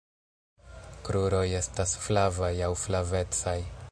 Kruroj estas flavaj aŭ flavecaj.